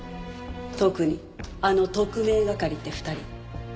特にあの特命係って２人。